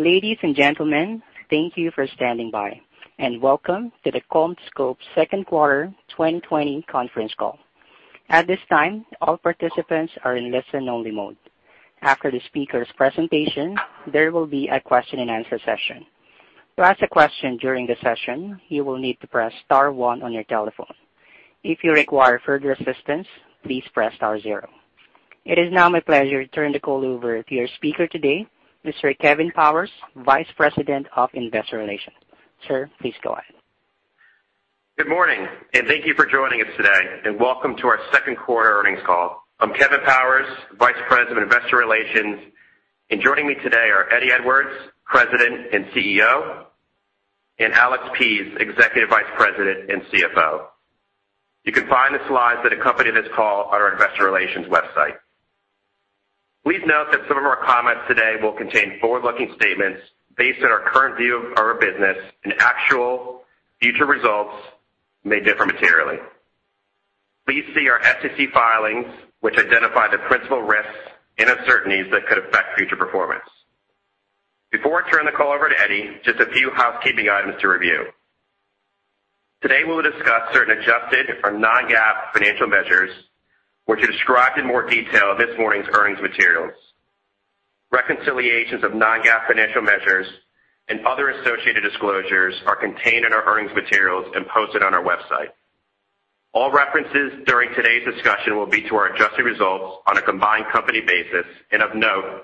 Ladies and gentlemen, thank you for standing by, and welcome to the CommScope second quarter 2020 conference call. At this time, all participants are in listen only mode. After the speaker's presentation, there will be a question and answer session. To ask a question during the session, you will need to press star one on your telephone. If you require further assistance, please press star zero. It is now my pleasure to turn the call over to your speaker today, Mr. Kevin Powers, Vice President of Investor Relations. Sir, please go ahead. Good morning, and thank you for joining us today. Welcome to our second quarter earnings call. I'm Kevin Powers, Vice President of Investor Relations, and joining me today are Eddie Edwards, President and CEO, and Alex Pease, Executive Vice President and CFO. You can find the slides that accompany this call on our investor relations website. Please note that some of our comments today will contain forward-looking statements based on our current view of our business and actual future results may differ materially. Please see our SEC filings, which identify the principal risks and uncertainties that could affect future performance. Before I turn the call over to Eddie, just a few housekeeping items to review. Today, we'll discuss certain adjusted or non-GAAP financial measures, which are described in more detail in this morning's earnings materials. Reconciliations of non-GAAP financial measures and other associated disclosures are contained in our earnings materials and posted on our website. All references during today's discussion will be to our adjusted results on a combined company basis. Of note,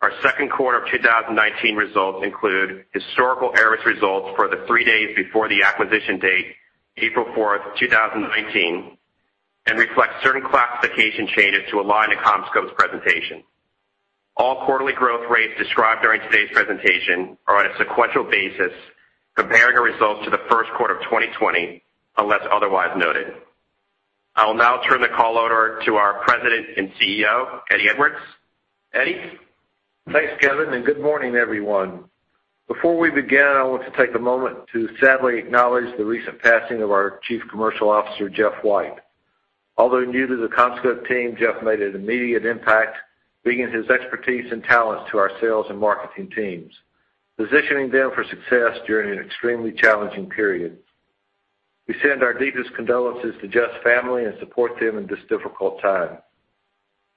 our second quarter of 2019 results include historical ARRIS results for the three days before the acquisition date, April 4th, 2019, and reflect certain classification changes to align to CommScope's presentation. All quarterly growth rates described during today's presentation are on a sequential basis comparing our results to the first quarter of 2020, unless otherwise noted. I will now turn the call over to our President and CEO, Eddie Edwards. Eddie? Thanks, Kevin, and good morning, everyone. Before we begin, I want to take a moment to sadly acknowledge the recent passing of our Chief Commercial Officer, Jeff White. Although new to the CommScope team, Jeff made an immediate impact, bringing his expertise and talents to our sales and marketing teams, positioning them for success during an extremely challenging period. We send our deepest condolences to Jeff's family and support them in this difficult time.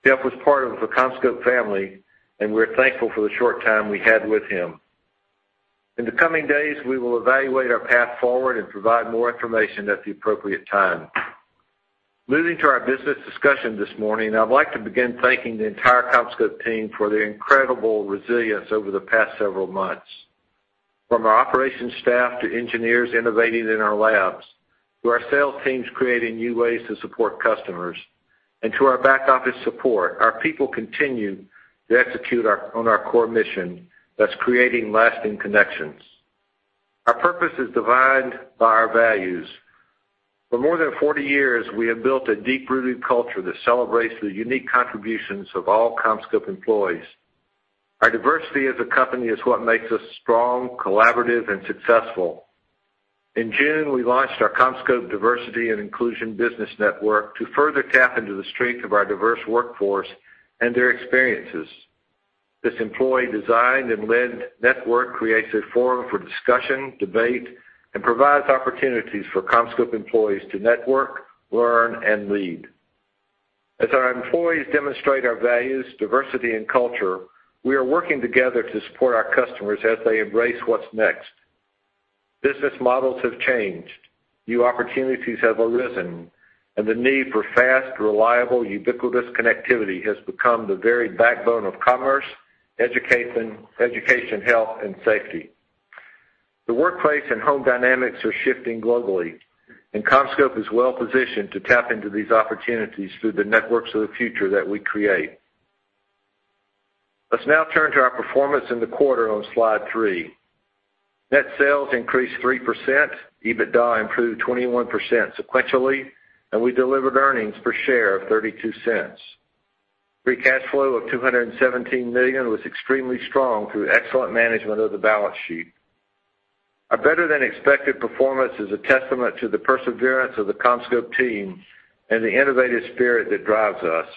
Jeff was part of the CommScope family, and we're thankful for the short time we had with him. In the coming days, we will evaluate our path forward and provide more information at the appropriate time. Moving to our business discussion this morning. I'd like to begin thanking the entire CommScope team for their incredible resilience over the past several months. From our operations staff to engineers innovating in our labs, to our sales teams creating new ways to support customers, and to our back office support, our people continue to execute on our core mission that's creating lasting connections. Our purpose is defined by our values. For more than 40 years, we have built a deep-rooted culture that celebrates the unique contributions of all CommScope employees. Our diversity as a company is what makes us strong, collaborative, and successful. In June, we launched our CommScope Diversity and Inclusion Business Network to further tap into the strength of our diverse workforce and their experiences. This employee designed and led network creates a forum for discussion, debate, and provides opportunities for CommScope employees to network, learn, and lead. As our employees demonstrate our values, diversity, and culture, we are working together to support our customers as they embrace what's next. Business models have changed, new opportunities have arisen, and the need for fast, reliable, ubiquitous connectivity has become the very backbone of commerce, education, health, and safety. The workplace and home dynamics are shifting globally, and CommScope is well positioned to tap into these opportunities through the networks of the future that we create. Let's now turn to our performance in the quarter on slide three. Net sales increased 3%, EBITDA improved 21% sequentially, and we delivered earnings per share of $0.32. Free cash flow of $217 million was extremely strong through excellent management of the balance sheet. Our better than expected performance is a testament to the perseverance of the CommScope team and the innovative spirit that drives us.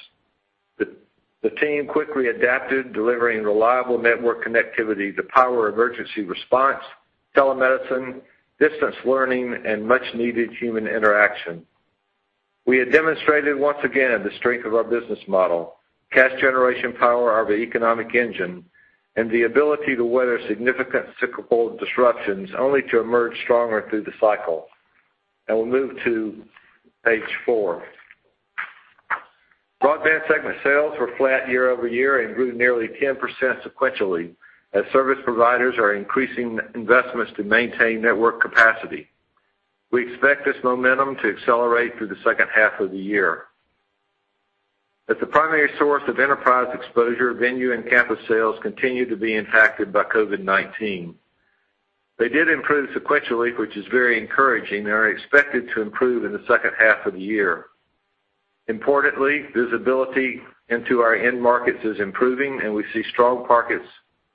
The team quickly adapted, delivering reliable network connectivity to power emergency response, telemedicine, distance learning, and much needed human interaction. We had demonstrated once again the strength of our business model, cash generation power of our economic engine, and the ability to weather significant cyclical disruptions only to emerge stronger through the cycle. I will move to page four. Broadband segment sales were flat year-over-year and grew nearly 10% sequentially as service providers are increasing investments to maintain network capacity. We expect this momentum to accelerate through the H2 of the year. As the primary source of enterprise exposure, Venue & Campus sales continued to be impacted by COVID-19. They did improve sequentially, which is very encouraging, and are expected to improve in the H2 of the year. Importantly, visibility into our end markets is improving, and we see strong pockets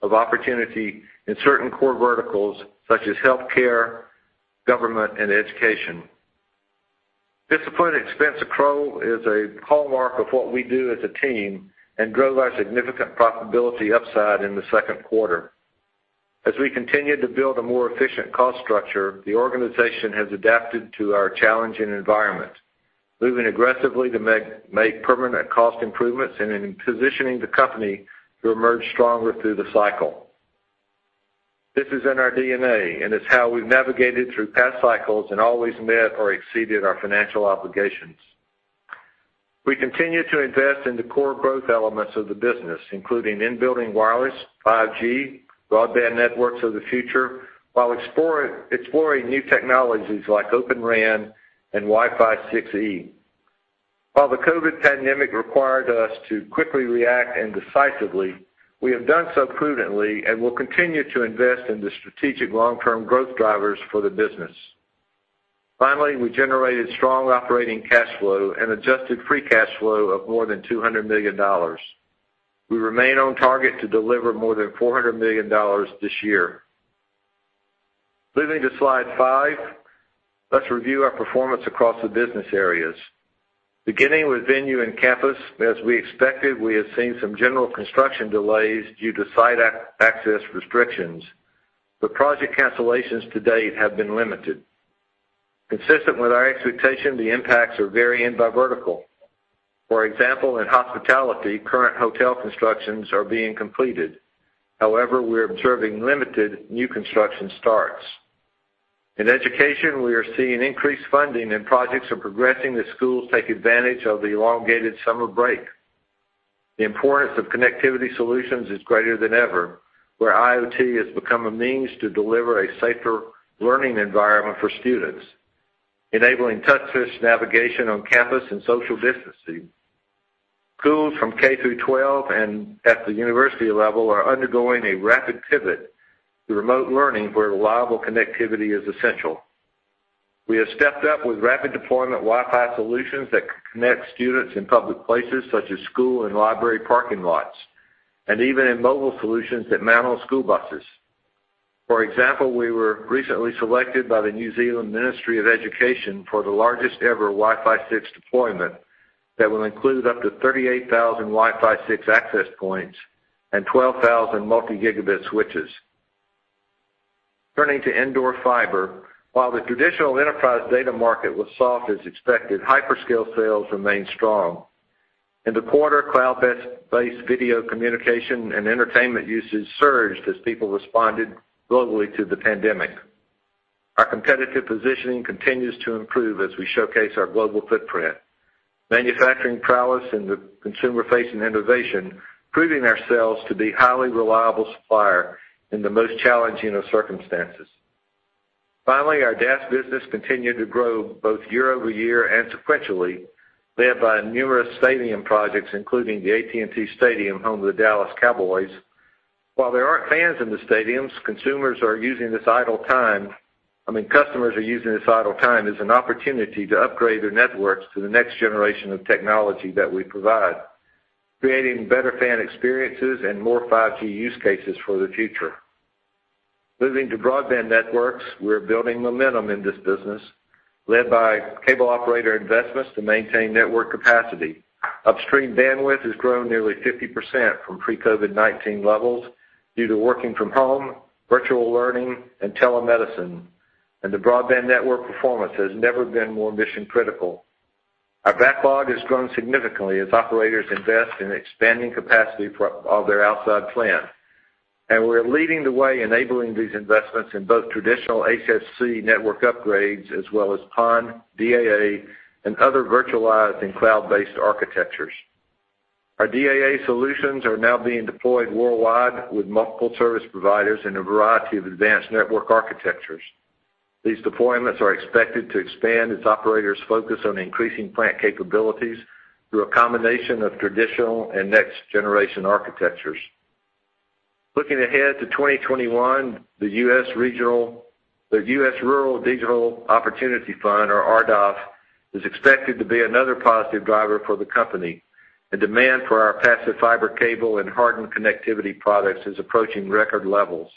of opportunity in certain core verticals such as healthcare, government, and education. Disciplined expense control is a hallmark of what we do as a team and drove our significant profitability upside in the second quarter. As we continue to build a more efficient cost structure, the organization has adapted to our challenging environment, moving aggressively to make permanent cost improvements and in positioning the company to emerge stronger through the cycle. This is in our DNA, and it's how we've navigated through past cycles and always met or exceeded our financial obligations. We continue to invest in the core growth elements of the business, including in-building wireless, 5G, Broadband Networks of the future, while exploring new technologies like Open RAN and Wi-Fi 6E. While the COVID pandemic required us to quickly react and decisively, we have done so prudently and will continue to invest in the strategic long-term growth drivers for the business. Finally, we generated strong operating cash flow and adjusted free cash flow of more than $200 million. We remain on target to deliver more than $400 million this year. Moving to slide five, let's review our performance across the business areas. Beginning with Venue & Campus, as we expected, we have seen some general construction delays due to site access restrictions, but project cancellations to date have been limited. Consistent with our expectation, the impacts are varying by vertical. For example, in hospitality, current hotel constructions are being completed. However, we're observing limited new construction starts. In education, we are seeing increased funding, and projects are progressing as schools take advantage of the elongated summer break. The importance of connectivity solutions is greater than ever, where IoT has become a means to deliver a safer learning environment for students, enabling touchless navigation on campus and social distancing. Schools from K through 12 and at the university level are undergoing a rapid pivot to remote learning where reliable connectivity is essential. We have stepped up with rapid deployment Wi-Fi solutions that connect students in public places such as school and library parking lots, and even in mobile solutions that mount on school buses. For example, we were recently selected by the New Zealand Ministry of Education for the largest-ever Wi-Fi 6 deployment that will include up to 38,000 Wi-Fi 6 access points and 12,000 multi-gigabit switches. Turning to Indoor Fiber, while the traditional enterprise data market was soft as expected, hyperscale sales remained strong. In the quarter, cloud-based video communication and entertainment usage surged as people responded globally to the pandemic. Our competitive positioning continues to improve as we showcase our global footprint. Manufacturing prowess in the consumer-facing innovation, proving ourselves to be highly reliable supplier in the most challenging of circumstances. Finally, our DAS business continued to grow both year-over-year and sequentially, led by numerous stadium projects, including the AT&T Stadium, home of the Dallas Cowboys. While there aren't fans in the stadiums, consumers are using this idle time, I mean, customers are using this idle time as an opportunity to upgrade their networks to the next generation of technology that we provide, creating better fan experiences and more 5G use cases for the future. Moving to Broadband Networks, we're building momentum in this business, led by cable operator investments to maintain network capacity. Upstream bandwidth has grown nearly 50% from pre-COVID-19 levels due to working from home, virtual learning, and telemedicine, the broadband network performance has never been more mission-critical. Our backlog has grown significantly as operators invest in expanding capacity of their outside plant. We're leading the way enabling these investments in both traditional HFC network upgrades as well as PON, DAA, and other virtualized and cloud-based architectures. Our DAA solutions are now being deployed worldwide with multiple service providers in a variety of advanced network architectures. These deployments are expected to expand as operators focus on increasing plant capabilities through a combination of traditional and next-generation architectures. Looking ahead to 2021, the U.S. Rural Digital Opportunity Fund, or RDOF, is expected to be another positive driver for the company. The demand for our passive fiber cable and hardened connectivity products is approaching record levels.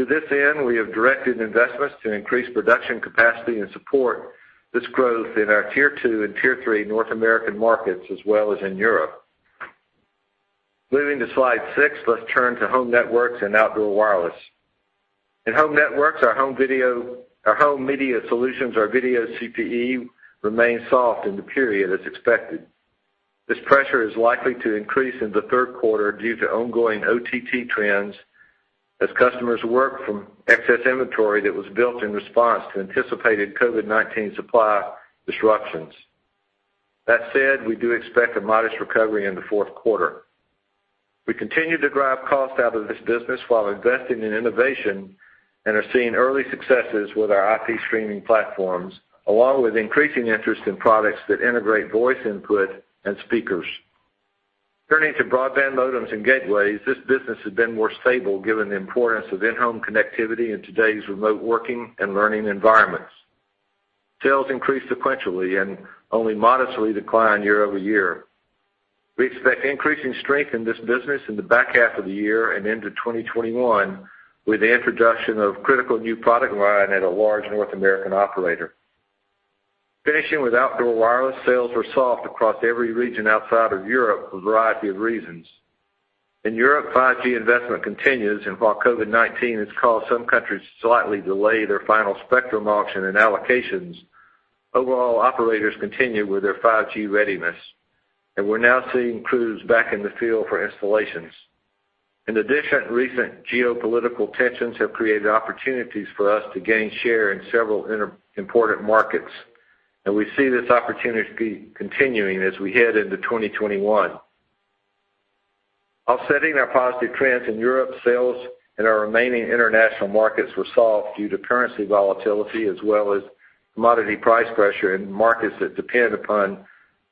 To this end, we have directed investments to increase production capacity and support this growth in our Tier 2 and Tier 3 North American markets, as well as in Europe. Moving to slide six, let's turn to Home Networks and Outdoor Wireless. In Home Networks, our home video, our home media solutions, our video CPE remained soft in the period as expected. This pressure is likely to increase in the third quarter due to ongoing OTT trends as customers work from excess inventory that was built in response to anticipated COVID-19 supply disruptions. That said, we do expect a modest recovery in the fourth quarter. We continue to drive cost out of this business while investing in innovation and are seeing early successes with our IP streaming platforms, along with increasing interest in products that integrate voice input and speakers. Turning to broadband modems and gateways, this business has been more stable given the importance of in-home connectivity in today's remote working and learning environments. Sales increased sequentially and only modestly declined year-over-year. We expect increasing strength in this business in the back half of the year and into 2021, with the introduction of critical new product line at a large North American operator. Finishing with outdoor wireless, sales were soft across every region outside of Europe for a variety of reasons. While COVID-19 has caused some countries to slightly delay their final spectrum auction and allocations, overall operators continue with their 5G readiness, and we're now seeing crews back in the field for installations. In addition, recent geopolitical tensions have created opportunities for us to gain share in several important markets. We see this opportunity continuing as we head into 2021. Offsetting our positive trends in Europe, sales in our remaining international markets were soft due to currency volatility as well as commodity price pressure in markets that depend upon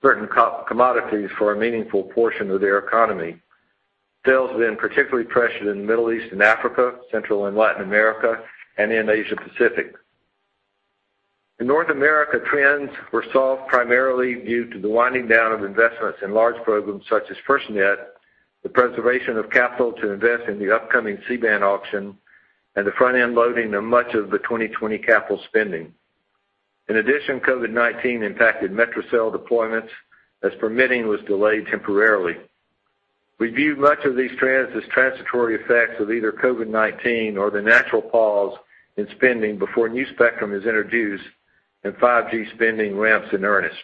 certain commodities for a meaningful portion of their economy. Sales have been particularly pressured in the Middle East and Africa, Central and Latin America, and in Asia-Pacific. In North America, trends were soft primarily due to the winding down of investments in large programs such as FirstNet, the preservation of capital to invest in the upcoming C-band auction, and the front-end loading of much of the 2020 capital spending. In addition, COVID-19 impacted metro cell deployments as permitting was delayed temporarily. We view much of these trends as transitory effects of either COVID-19 or the natural pause in spending before new spectrum is introduced and 5G spending ramps in earnest.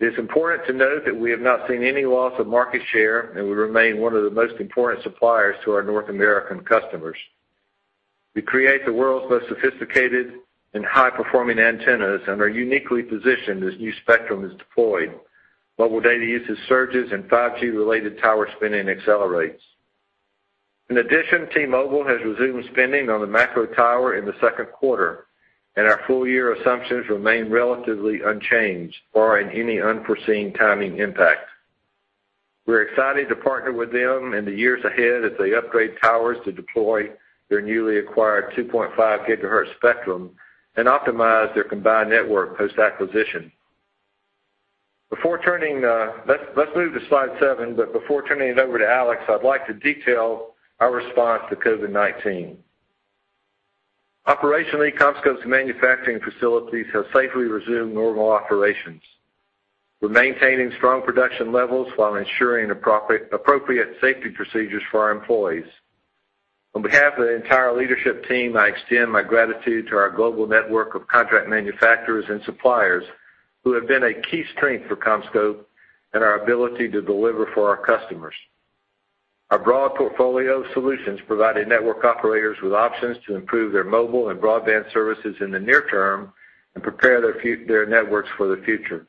It is important to note that we have not seen any loss of market share, and we remain one of the most important suppliers to our North American customers. We create the world's most sophisticated and high-performing antennas and are uniquely positioned as new spectrum is deployed, mobile data usage surges, and 5G-related tower spending accelerates. In addition, T-Mobile has resumed spending on the macro tower in the second quarter, and our full-year assumptions remain relatively unchanged, barring any unforeseen timing impacts. We're excited to partner with them in the years ahead as they upgrade towers to deploy their newly acquired 2.5 GHz spectrum and optimize their combined network post-acquisition. Let's move to slide seven, but before turning it over to Alex, I'd like to detail our response to COVID-19. Operationally, CommScope's manufacturing facilities have safely resumed normal operations. We're maintaining strong production levels while ensuring appropriate safety procedures for our employees. On behalf of the entire leadership team, I extend my gratitude to our global network of contract manufacturers and suppliers, who have been a key strength for CommScope and our ability to deliver for our customers. Our broad portfolio of solutions provided network operators with options to improve their mobile and broadband services in the near term and prepare their networks for the future.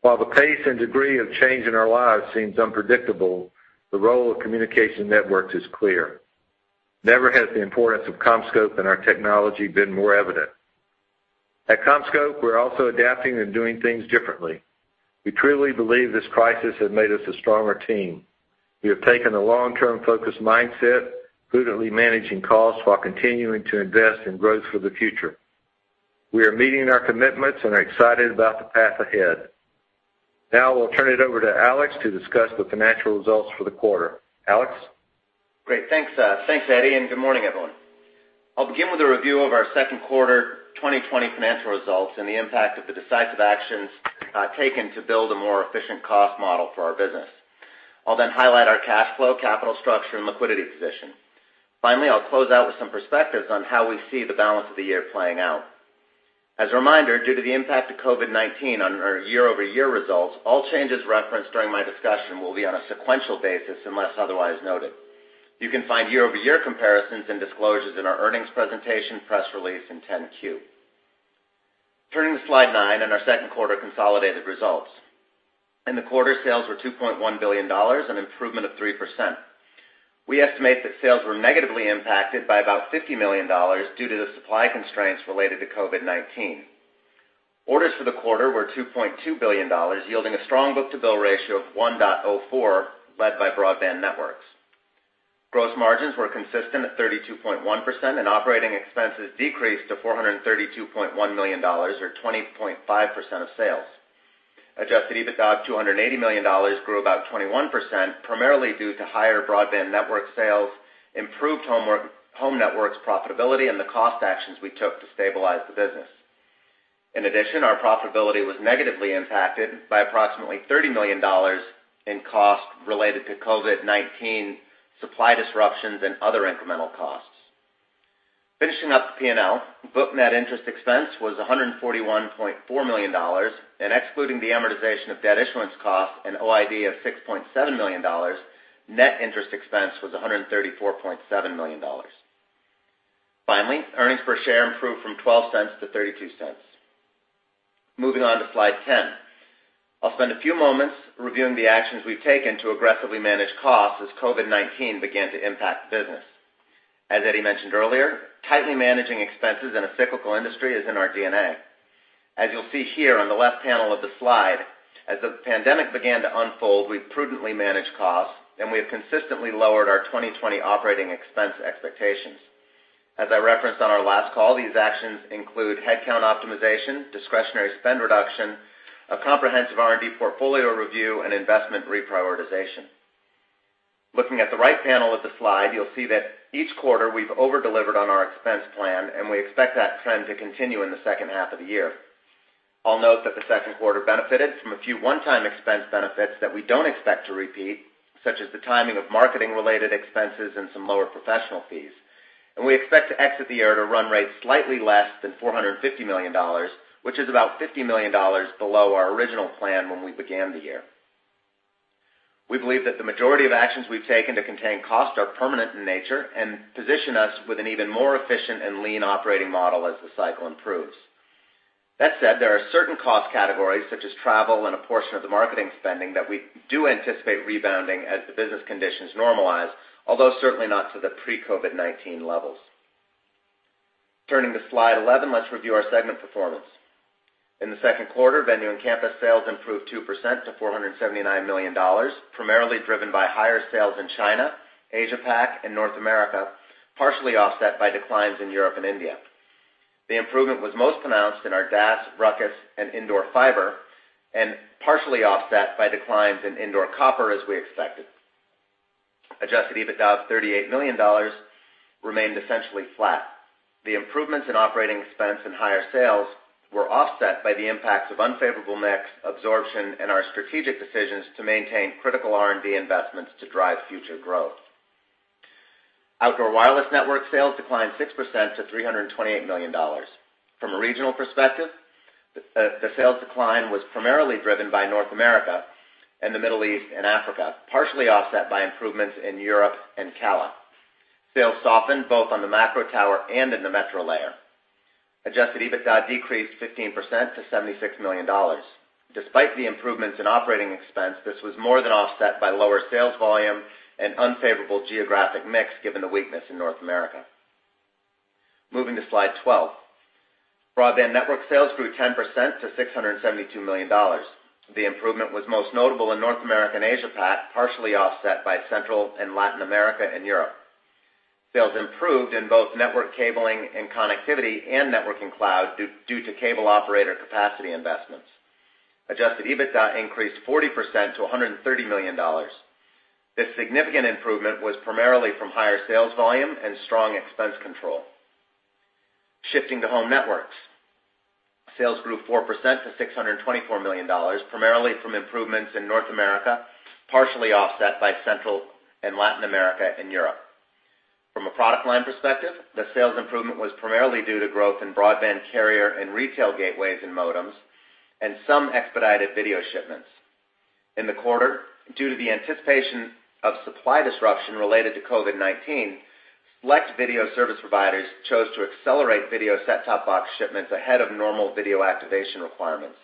While the pace and degree of change in our lives seems unpredictable, the role of communication networks is clear. Never has the importance of CommScope and our technology been more evident. At CommScope, we're also adapting and doing things differently. We truly believe this crisis has made us a stronger team. We have taken a long-term focus mindset, prudently managing costs while continuing to invest in growth for the future. We are meeting our commitments and are excited about the path ahead. I'll turn it over to Alex to discuss the financial results for the quarter. Alex? Great. Thanks, Eddie, and good morning, everyone. I'll begin with a review of our second quarter 2020 financial results and the impact of the decisive actions taken to build a more efficient cost model for our business. I'll then highlight our cash flow, capital structure, and liquidity position. Finally, I'll close out with some perspectives on how we see the balance of the year playing out. As a reminder, due to the impact of COVID-19 on our year-over-year results, all changes referenced during my discussion will be on a sequential basis unless otherwise noted. You can find year-over-year comparisons and disclosures in our earnings presentation, press release, and 10-Q. Turning to slide nine and our second quarter consolidated results. In the quarter, sales were $2.1 billion, an improvement of 3%. We estimate that sales were negatively impacted by about $50 million due to the supply constraints related to COVID-19. Orders for the quarter were $2.2 billion, yielding a strong book-to-bill ratio of 1.04, led by Broadband Networks. Gross margins were consistent at 32.1%, operating expenses decreased to $432.1 million or 20.5% of sales. Adjusted EBITDA of $280 million grew about 21%, primarily due to higher Broadband Networks sales, improved Home Networks profitability, and the cost actions we took to stabilize the business. In addition, our profitability was negatively impacted by approximately $30 million in cost related to COVID-19 supply disruptions and other incremental costs. Finishing up the P&L, book net interest expense was $141.4 million and excluding the amortization of debt issuance costs and OID of $6.7 million, net interest expense was $134.7 million. Finally, earnings per share improved from $0.12-$0.32. Moving on to slide 10. I'll spend a few moments reviewing the actions we've taken to aggressively manage costs as COVID-19 began to impact the business. As Eddie mentioned earlier, tightly managing expenses in a cyclical industry is in our DNA. As you'll see here on the left panel of the slide, as the pandemic began to unfold, we prudently managed costs, and we have consistently lowered our 2020 operating expense expectations. As I referenced on our last call, these actions include headcount optimization, discretionary spend reduction, a comprehensive R&D portfolio review, and investment reprioritization. Looking at the right panel of the slide, you'll see that each quarter we've over-delivered on our expense plan, and we expect that trend to continue in the H2 of the year. I'll note that the second quarter benefited from a few one-time expense benefits that we don't expect to repeat, such as the timing of marketing-related expenses and some lower professional fees. We expect to exit the year at a run rate slightly less than $450 million, which is about $50 million below our original plan when we began the year. We believe that the majority of actions we've taken to contain costs are permanent in nature and position us with an even more efficient and lean operating model as the cycle improves. That said, there are certain cost categories such as travel and a portion of the marketing spending that we do anticipate rebounding as the business conditions normalize, although certainly not to the pre-COVID-19 levels. Turning to slide 11, let's review our segment performance. In the second quarter, Venue & Campus sales improved 2% to $479 million, primarily driven by higher sales in China, Asia Pac, and North America, partially offset by declines in Europe and India. The improvement was most pronounced in our DAS, RUCKUS, and indoor fiber, and partially offset by declines in indoor copper, as we expected. Adjusted EBITDA of $38 million remained essentially flat. The improvements in operating expense and higher sales were offset by the impacts of unfavorable mix, absorption, and our strategic decisions to maintain critical R&D investments to drive future growth. Outdoor Wireless Networks sales declined 6% to $328 million. From a regional perspective, the sales decline was primarily driven by North America and the Middle East and Africa, partially offset by improvements in Europe and CALA. Sales softened both on the macro tower and in the metro layer. Adjusted EBITDA decreased 15% to $76 million. Despite the improvements in operating expense, this was more than offset by lower sales volume and unfavorable geographic mix given the weakness in North America. Moving to slide 12. Broadband Networks sales grew 10% to $672 million. The improvement was most notable in North America and Asia-Pac, partially offset by Central and Latin America and Europe. Sales improved in both network cabling and connectivity and PON Cloud due to cable operator capacity investments. Adjusted EBITDA increased 40% to $130 million. This significant improvement was primarily from higher sales volume and strong expense control. Shifting to Home Networks. Sales grew 4% to $624 million, primarily from improvements in North America, partially offset by Central and Latin America and Europe. From a product line perspective, the sales improvement was primarily due to growth in broadband carrier and retail gateways and modems and some expedited video shipments. In the quarter, due to the anticipation of supply disruption related to COVID-19, select video service providers chose to accelerate video set-top box shipments ahead of normal video activation requirements.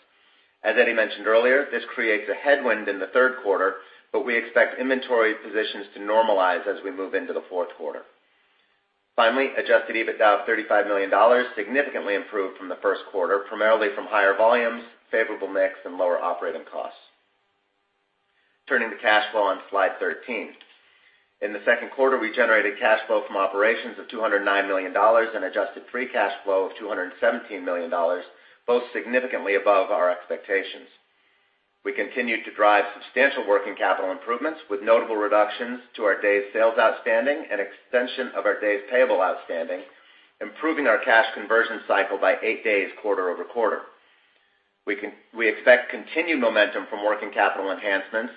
As Eddie mentioned earlier, this creates a headwind in the third quarter, but we expect inventory positions to normalize as we move into the fourth quarter. Finally, adjusted EBITDA of $35 million significantly improved from the first quarter, primarily from higher volumes, favorable mix, and lower operating costs. Turning to cash flow on slide 13. In the second quarter, we generated cash flow from operations of $209 million and adjusted free cash flow of $217 million, both significantly above our expectations. We continued to drive substantial working capital improvements with notable reductions to our days sales outstanding and extension of our days payable outstanding, improving our cash conversion cycle by eight days quarter-over-quarter. We expect continued momentum from working capital enhancements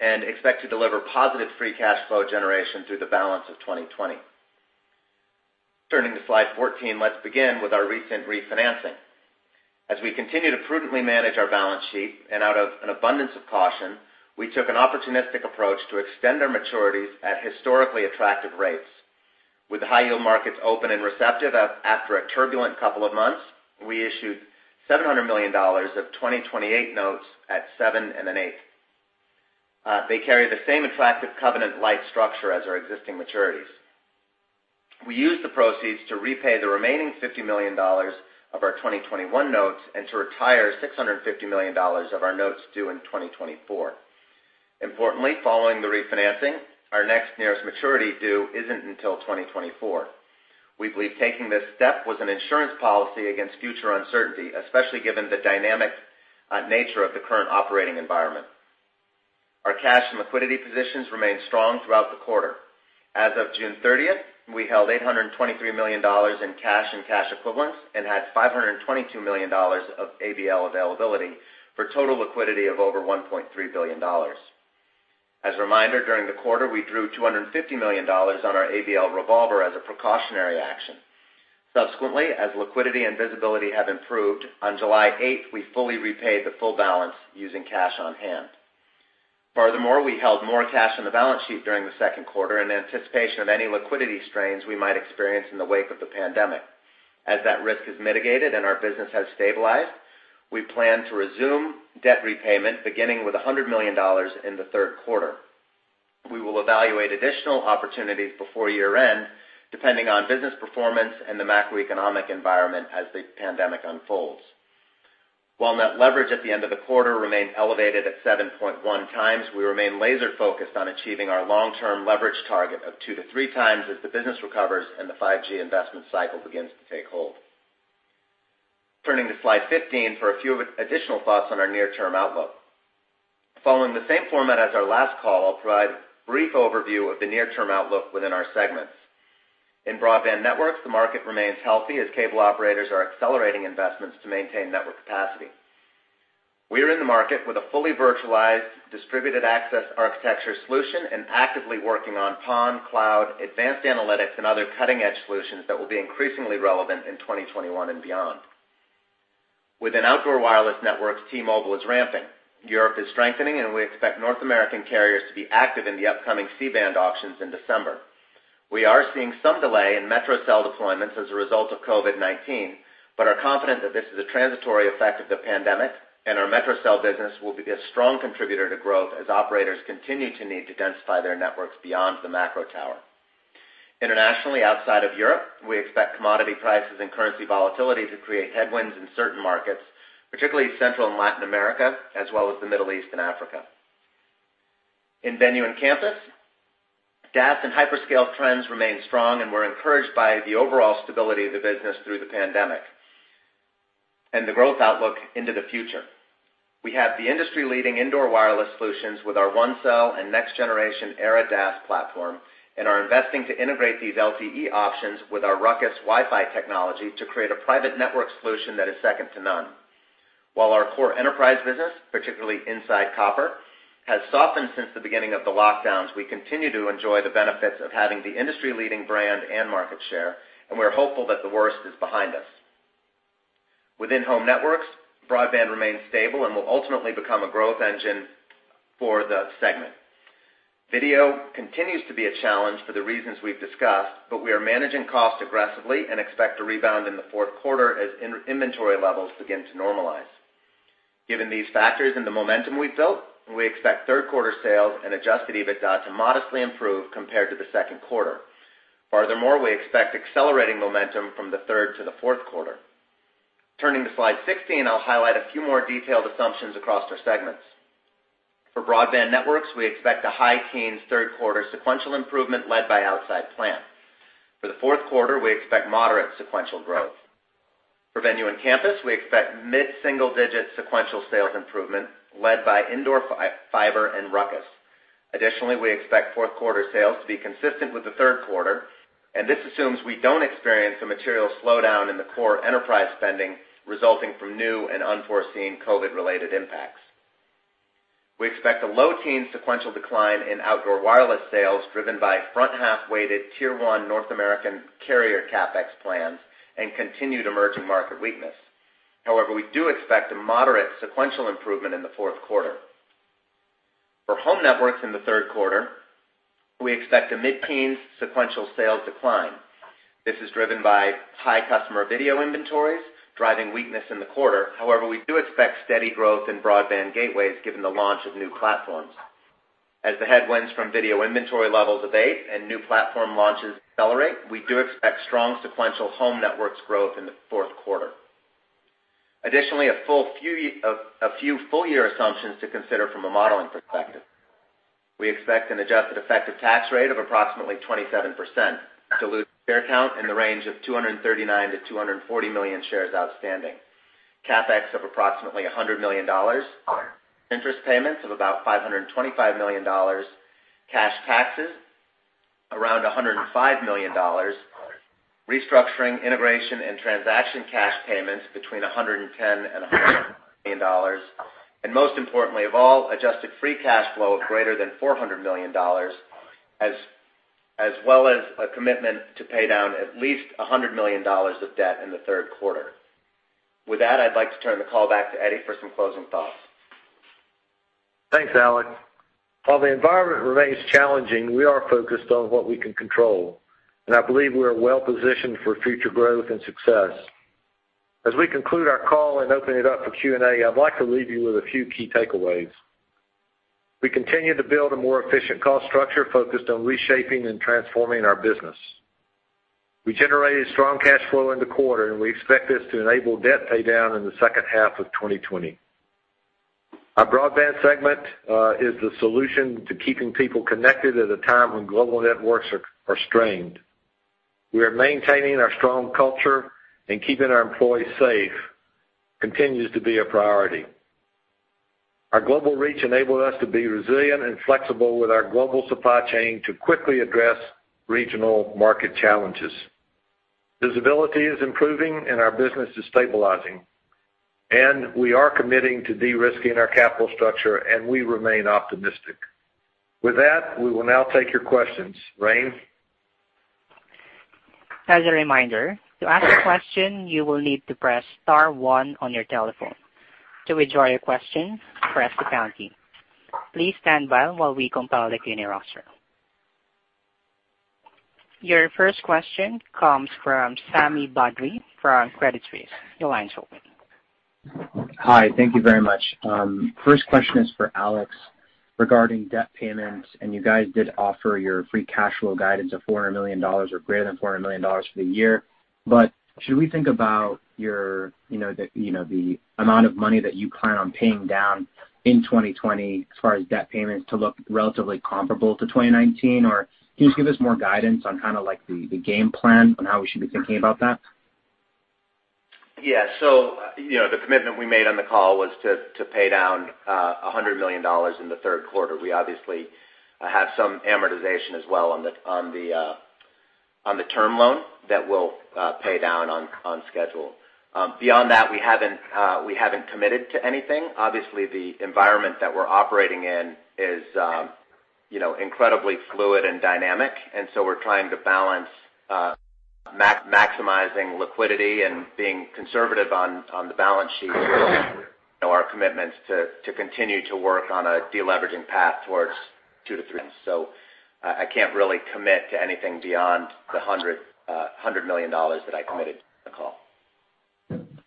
and expect to deliver positive free cash flow generation through the balance of 2020. Turning to slide 14, let's begin with our recent refinancing. As we continue to prudently manage our balance sheet and out of an abundance of caution, we took an opportunistic approach to extend our maturities at historically attractive rates. With the high-yield markets open and receptive after a turbulent couple of months, we issued $700 million of 2028 notes at seven and an eighth. They carry the same attractive covenant-light structure as our existing maturities. We used the proceeds to repay the remaining $50 million of our 2021 notes and to retire $650 million of our notes due in 2024. Importantly, following the refinancing, our next nearest maturity due isn't until 2024. We believe taking this step was an insurance policy against future uncertainty, especially given the dynamic nature of the current operating environment. Our cash and liquidity positions remained strong throughout the quarter. As of June 30th, we held $823 million in cash and cash equivalents and had $522 million of ABL availability for total liquidity of over $1.3 billion. As a reminder, during the quarter, we drew $250 million on our ABL revolver as a precautionary action. Subsequently, as liquidity and visibility have improved, on July 8th, we fully repaid the full balance using cash on hand. Furthermore, we held more cash on the balance sheet during the second quarter in anticipation of any liquidity strains we might experience in the wake of the pandemic. As that risk is mitigated and our business has stabilized, we plan to resume debt repayment, beginning with $100 million in the third quarter. We will evaluate additional opportunities before year-end, depending on business performance and the macroeconomic environment as the pandemic unfolds. While net leverage at the end of the quarter remained elevated at 7.1x, we remain laser-focused on achieving our long-term leverage target of 2x-3x as the business recovers and the 5G investment cycle begins to take hold. Turning to slide 15 for a few additional thoughts on our near-term outlook. Following the same format as our last call, I'll provide a brief overview of the near-term outlook within our segments. In Broadband Networks, the market remains healthy as cable operators are accelerating investments to maintain network capacity. We are in the market with a fully virtualized distributed access architecture solution and actively working on PON Cloud, advanced analytics, and other cutting-edge solutions that will be increasingly relevant in 2021 and beyond. Within Outdoor Wireless Networks, T-Mobile is ramping. Europe is strengthening, and we expect North American carriers to be active in the upcoming C-band auctions in December. We are seeing some delay in metro cell deployments as a result of COVID-19, but are confident that this is a transitory effect of the pandemic, and our metro cell business will be a strong contributor to growth as operators continue to need to densify their networks beyond the macro tower. Internationally, outside of Europe, we expect commodity prices and currency volatility to create headwinds in certain markets, particularly Central and Latin America, as well as the Middle East and Africa. In Venue & Campus, DAS and hyperscale trends remain strong, and we're encouraged by the overall stability of the business through the pandemic and the growth outlook into the future. We have the industry-leading indoor wireless solutions with our ONECELL and next-generation ERA DAS platform and are investing to integrate these LTE options with our RUCKUS Wi-Fi technology to create a private networks solution that is second to none. While our core enterprise business, particularly inside copper, has softened since the beginning of the lockdowns, we continue to enjoy the benefits of having the industry-leading brand and market share, and we're hopeful that the worst is behind us. Within Home Networks, broadband remains stable and will ultimately become a growth engine for the segment. Video continues to be a challenge for the reasons we've discussed, but we are managing costs aggressively and expect a rebound in the fourth quarter as inventory levels begin to normalize. Given these factors and the momentum we've built, we expect third-quarter sales and adjusted EBITDA to modestly improve compared to the second quarter. Furthermore, we expect accelerating momentum from the third to the fourth quarter. Turning to slide 16, I'll highlight a few more detailed assumptions across our segments. For Broadband Networks, we expect a high teens third-quarter sequential improvement led by outside plant. For the fourth quarter, we expect moderate sequential growth. For Venue & Campus, we expect mid-single-digit sequential sales improvement led by indoor fiber and RUCKUS. Additionally, we expect fourth-quarter sales to be consistent with the third quarter, and this assumes we don't experience a material slowdown in the core enterprise spending resulting from new and unforeseen COVID-related impacts. We expect a low teen sequential decline in Outdoor Wireless Networks sales driven by front-half-weighted Tier 1 North American carrier CapEx plans and continued emerging market weakness. However, we do expect a moderate sequential improvement in the fourth quarter. For Home Networks in the third quarter, we expect a mid-teens sequential sales decline. This is driven by high customer video inventories, driving weakness in the quarter. We do expect steady growth in broadband gateways given the launch of new platforms. As the headwinds from video inventory levels abate and new platform launches accelerate, we do expect strong sequential Home Networks growth in the fourth quarter. A few full-year assumptions to consider from a modeling perspective. We expect an adjusted effective tax rate of approximately 27%, dilute share count in the range of 239 million-240 million shares outstanding. CapEx of approximately $100 million, interest payments of about $525 million, cash taxes around $105 million, restructuring, integration, and transaction cash payments between $110 million and $120 million. Most importantly of all, adjusted free cash flow of greater than $400 million, as well as a commitment to pay down at least $100 million of debt in the third quarter. With that, I'd like to turn the call back to Eddie for some closing thoughts. Thanks, Alex. While the environment remains challenging, we are focused on what we can control, and I believe we are well-positioned for future growth and success. As we conclude our call and open it up for Q&A, I'd like to leave you with a few key takeaways. We continue to build a more efficient cost structure focused on reshaping and transforming our business. We generated strong cash flow in the quarter, and we expect this to enable debt paydown in the H2 of 2020. Our Broadband segment is the solution to keeping people connected at a time when global networks are strained. We are maintaining our strong culture, and keeping our employees safe continues to be a priority. Our global reach enabled us to be resilient and flexible with our global supply chain to quickly address regional market challenges. Visibility is improving, and our business is stabilizing, and we are committing to de-risking our capital structure, and we remain optimistic. With that, we will now take your questions. Raine? As a reminder, to ask a question, you will need to press star one on your telephone. To withdraw your question, press the pound key. Please stand by while we compile the queue roster. Your first question comes from Sami Badri from Credit Suisse. Your line is open. Hi. Thank you very much. First question is for Alex. Regarding debt payments, you guys did offer your free cash flow guidance of $400 million or greater than $400 million for the year. Should we think about the amount of money that you plan on paying down in 2020 as far as debt payments to look relatively comparable to 2019? Can you just give us more guidance on the game plan on how we should be thinking about that? Yeah. The commitment we made on the call was to pay down $100 million in the third quarter. We obviously have some amortization as well on the term loan that we'll pay down on schedule. Beyond that, we haven't committed to anything. Obviously, the environment that we're operating in is incredibly fluid and dynamic, and so we're trying to balance maximizing liquidity and being conservative on the balance sheet with our commitments to continue to work on a de-leveraging path towards two to three. I can't really commit to anything beyond the $100 million that I committed on the call.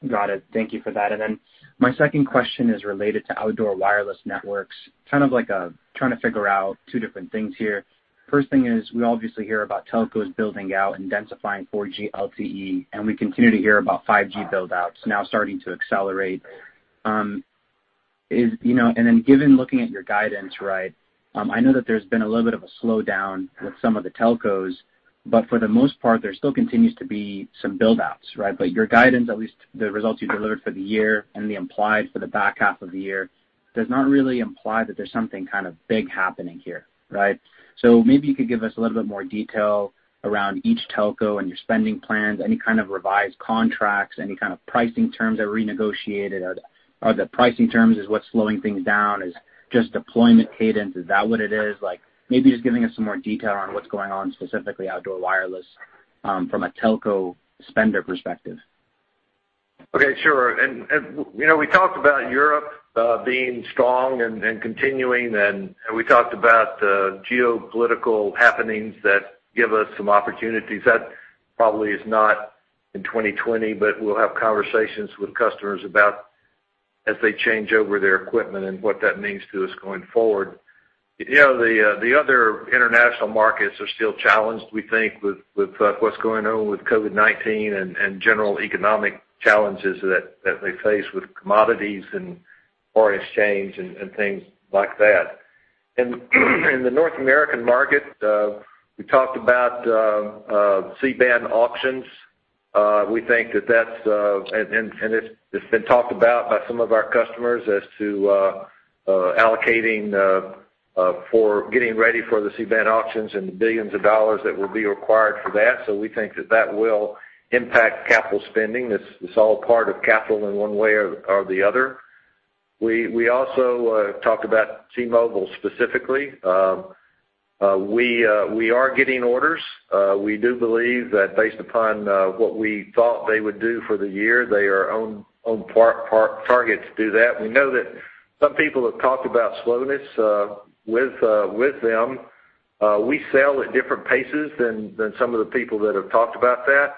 Got it. Thank you for that. My second question is related to Outdoor Wireless Networks. Kind of like trying to figure out two different things here. First thing is, we obviously hear about telcos building out and densifying 4G LTE, we continue to hear about 5G build-outs now starting to accelerate. Given looking at your guidance, I know that there's been a little bit of a slowdown with some of the telcos, for the most part, there still continues to be some build-outs, right? Your guidance, at least the results you delivered for the year and the implied for the back half of the year, does not really imply that there's something kind of big happening here, right? Maybe you could give us a little bit more detail around each telco and your spending plans, any kind of revised contracts, any kind of pricing terms that were renegotiated, or are the pricing terms is what's slowing things down? Is just deployment cadence, is that what it is? Maybe just giving us some more detail on what's going on, specifically Outdoor Wireless, from a telco spender perspective. Okay, sure. We talked about Europe being strong and continuing, and we talked about the geopolitical happenings that give us some opportunities. That probably is not in 2020, but we'll have conversations with customers about as they change over their equipment and what that means to us going forward. The other international markets are still challenged, we think, with what's going on with COVID-19 and general economic challenges that they face with commodities and foreign exchange and things like that. In the North American market, we talked about C-band auctions. We think that it's been talked about by some of our customers as to allocating for getting ready for the C-band auctions and the billions of dollars that will be required for that. We think that that will impact capital spending. It's all part of capital in one way or the other. We also talked about T-Mobile specifically. We are getting orders. We do believe that based upon what we thought they would do for the year, they are on target to do that. We know that some people have talked about slowness with them. We sell at different paces than some of the people that have talked about that.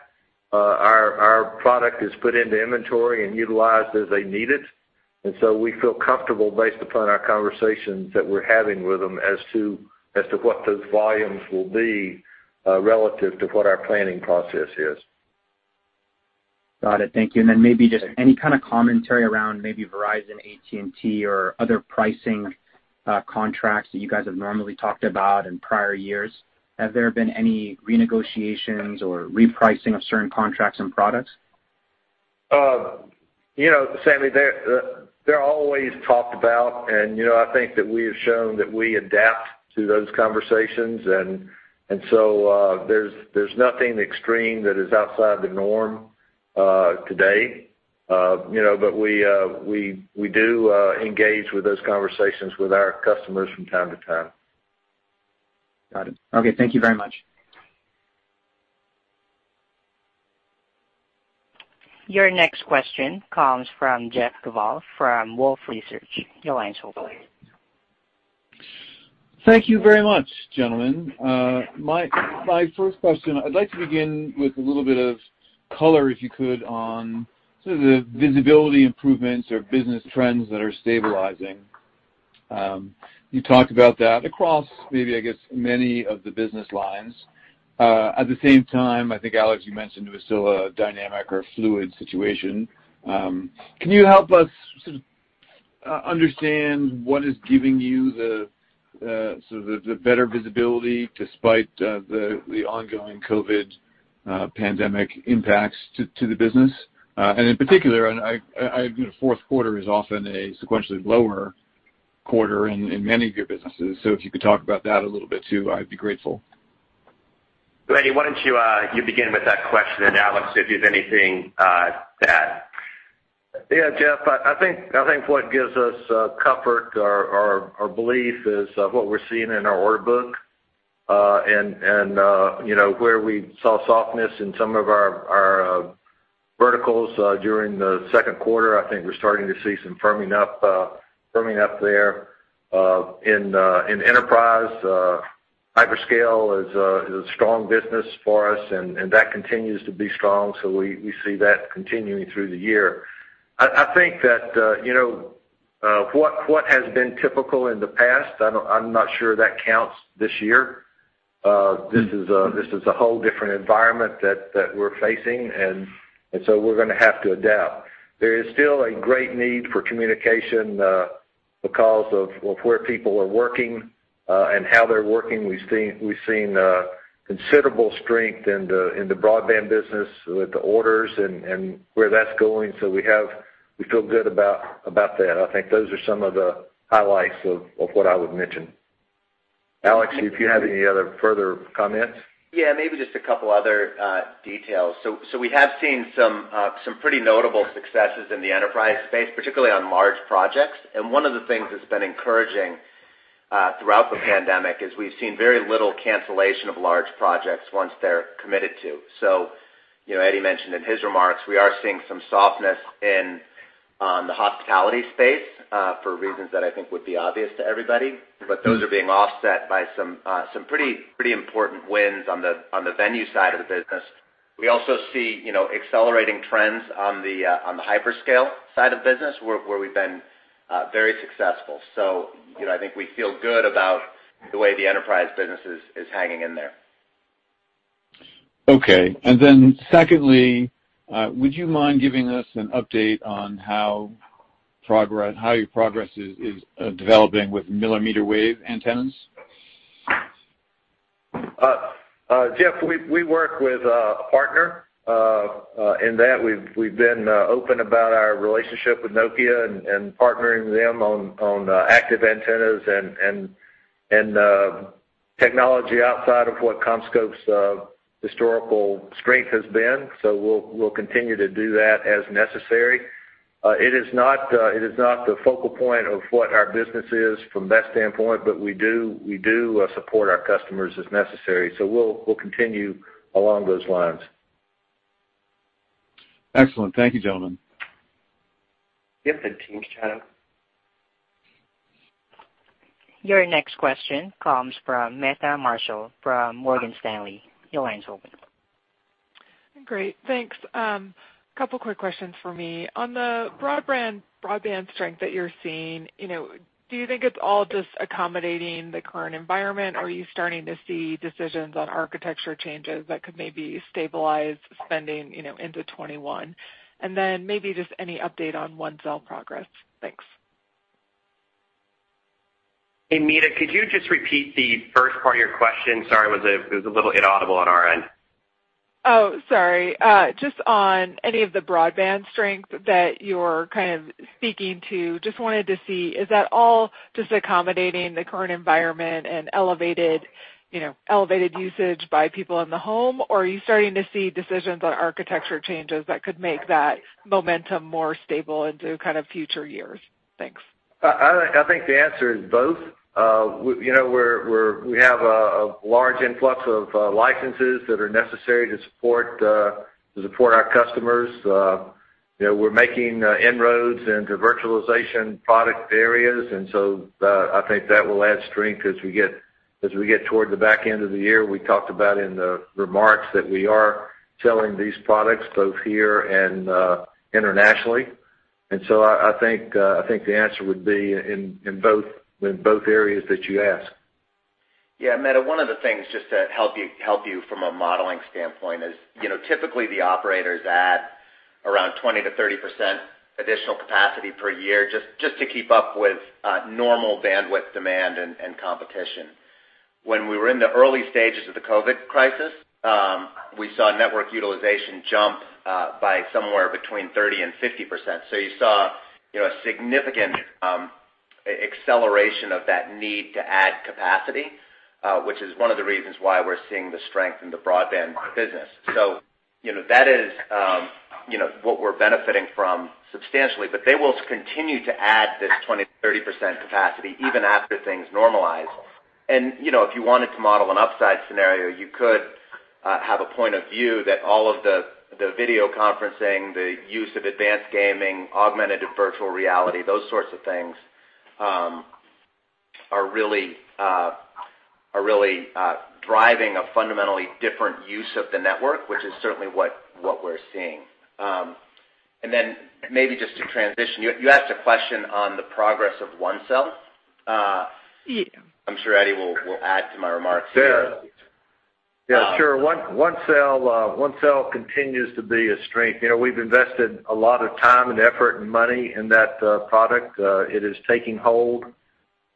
We feel comfortable based upon our conversations that we're having with them as to what those volumes will be relative to what our planning process is. Got it. Thank you. Maybe just any kind of commentary around maybe Verizon, AT&T, or other pricing contracts that you guys have normally talked about in prior years. Have there been any renegotiations or repricing of certain contracts and products? Sami, they're always talked about. I think that we have shown that we adapt to those conversations. There's nothing extreme that is outside the norm today. We do engage with those conversations with our customers from time to time. Got it. Okay, thank you very much. Your next question comes from Jeff Kvaal from Wolfe Research. Your line's open. Thank you very much, gentlemen. My first question, I'd like to begin with a little bit of color, if you could, on sort of the visibility improvements or business trends that are stabilizing. You talked about that across maybe, I guess, many of the business lines. At the same time, I think, Alex, you mentioned it was still a dynamic or fluid situation. Can you help us understand what is giving you the better visibility despite the ongoing COVID pandemic impacts to the business? In particular, fourth quarter is often a sequentially lower quarter in many of your businesses. If you could talk about that a little bit too, I'd be grateful. Eddie, why don't you begin with that question, and Alex, if you have anything to add. Yeah, Jeff, I think what gives us comfort or belief is what we're seeing in our order book. Where we saw softness in some of our verticals during the second quarter, I think we're starting to see some firming up there. Enterprise-Hyperscale is a strong business for us, and that continues to be strong, so we see that continuing through the year. I think that what has been typical in the past, I'm not sure that counts this year. This is a whole different environment that we're facing, we're going to have to adapt. There is still a great need for communication because of where people are working and how they're working. We've seen considerable strength in the Broadband Networks with the orders and where that's going, we feel good about that. I think those are some of the highlights of what I would mention. Alex, if you have any other further comments? Yeah, maybe just a couple of other details. We have seen some pretty notable successes in the enterprise space, particularly on large projects. One of the things that's been encouraging throughout the pandemic is we've seen very little cancellation of large projects once they're committed to. Eddie mentioned in his remarks, we are seeing some softness in the hospitality space for reasons that I think would be obvious to everybody. Those are being offset by some pretty important wins on the Venue side of the business. We also see accelerating trends on the hyperscale side of business, where we've been very successful. I think we feel good about the way the enterprise business is hanging in there. Okay. Secondly, would you mind giving us an update on how your progress is developing with millimeter-wave antennas? Jeff, we work with a partner in that. We've been open about our relationship with Nokia and partnering with them on active antennas and technology outside of what CommScope's historical strength has been. We'll continue to do that as necessary. It is not the focal point of what our business is from that standpoint, but we do support our customers as necessary. We'll continue along those lines. Excellent. Thank you, gentlemen. Yep. Team shadow. Your next question comes from Meta Marshall from Morgan Stanley. Your line's open. Great. Thanks. A couple quick questions for me. On the Broadband Networks strength that you're seeing, do you think it's all just accommodating the current environment, or are you starting to see decisions on architecture changes that could maybe stabilize spending into 2021? Maybe just any update on ONECELL progress. Thanks. Hey, Meta, could you just repeat the first part of your question? Sorry, it was a little inaudible on our end. Oh, sorry. Just on any of the broadband strength that you're kind of speaking to, just wanted to see, is that all just accommodating the current environment and elevated usage by people in the home? Are you starting to see decisions on architecture changes that could make that momentum more stable into kind of future years? Thanks. I think the answer is both. We have a large influx of licenses that are necessary to support our customers. We're making inroads into virtualization product areas, I think that will add strength as we get toward the back end of the year. We talked about in the remarks that we are selling these products both here and internationally. I think the answer would be in both areas that you ask. Meta, one of the things just to help you from a modeling standpoint is, typically the operators add around 20%-30% additional capacity per year just to keep up with normal bandwidth demand and competition. When we were in the early stages of the COVID crisis, we saw network utilization jump by somewhere between 30% and 50%. You saw a significant acceleration of that need to add capacity, which is one of the reasons why we're seeing the strength in the broadband business. That is what we're benefiting from substantially, but they will continue to add this 20%-30% capacity even after things normalize. If you wanted to model an upside scenario, you could have a point of view that all of the video conferencing, the use of advanced gaming, augmented and virtual reality, those sorts of things are really driving a fundamentally different use of the network, which is certainly what we're seeing. Then maybe just to transition, you asked a question on the progress of ONECELL? Yeah. I'm sure Eddie will add to my remarks here. Yeah, sure. ONECELL continues to be a strength. We've invested a lot of time, effort, and money in that product. It is taking hold.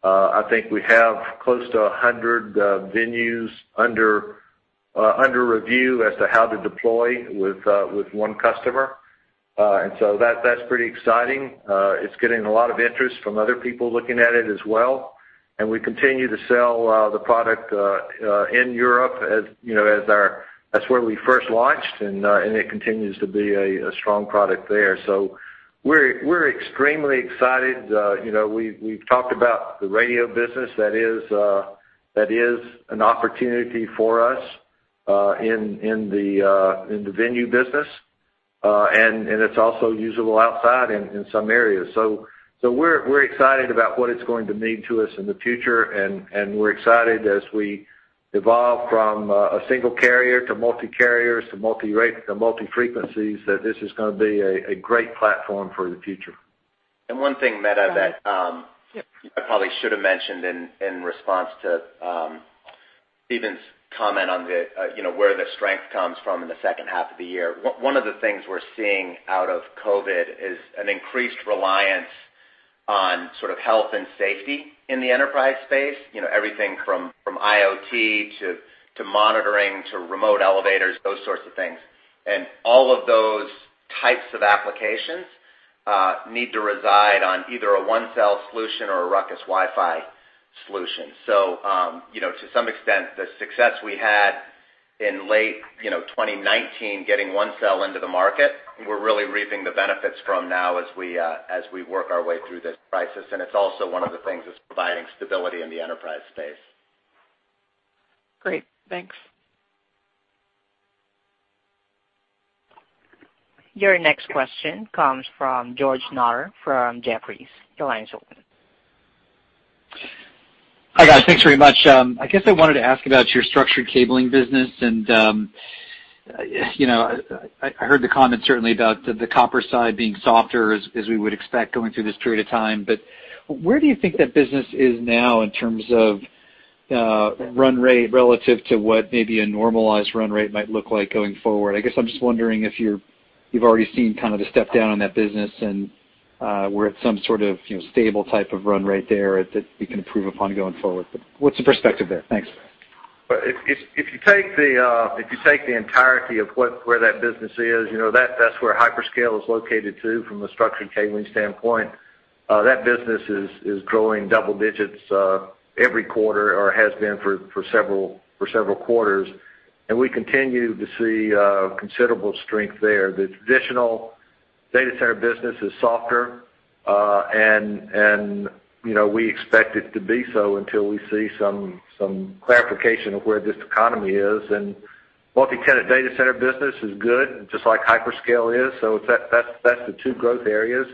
I think we have close to 100 venues under review as to how to deploy with one customer. That's pretty exciting. It's getting a lot of interest from other people looking at it as well, and we continue to sell the product in Europe. That's where we first launched, and it continues to be a strong product there. We're extremely excited. We've talked about the radio business that is an opportunity for us in the venue business. It's also usable outside in some areas. We're excited about what it's going to mean to us in the future, and we're excited as we evolve from a single carrier to multi-carriers to multi-RATs to multi-frequencies, that this is going to be a great platform for the future. One thing, Meta, that I probably should have mentioned in response to Steven's comment on where the strength comes from in the H2 of the year, one of the things we're seeing out of COVID is an increased reliance on sort of health and safety in the enterprise space. Everything from IoT to monitoring to remote elevators, those sorts of things. All of those types of applications need to reside on either a ONECELL solution or a RUCKUS Wi-Fi solution. To some extent, the success we had in late 2019, getting ONECELL into the market, we're really reaping the benefits from now as we work our way through this crisis, and it's also one of the things that's providing stability in the enterprise space. Great, thanks. Your next question comes from George Notter from Jefferies. Your line is open. Hi, guys. Thanks very much. I guess I wanted to ask about your structured cabling business, and I heard the comment certainly about the copper side being softer as we would expect going through this period of time. Where do you think that business is now in terms of run rate relative to what maybe a normalized run rate might look like going forward? I guess I'm just wondering if you've already seen kind of the step down on that business and where it's some sort of stable type of run rate there that you can improve upon going forward. What's the perspective there? Thanks. If you take the entirety of where that business is, that's where hyperscale is located, too, from a structured cabling standpoint. That business is growing double digits every quarter, or has been for several quarters, and we continue to see considerable strength there. The traditional data center business is softer, and we expect it to be so until we see some clarification of where this economy is. Multi-tenant data center business is good, just like hyperscale is, so that's the two growth areas.